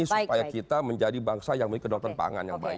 supaya kita menjadi bangsa yang memiliki kedaulatan pangan yang baik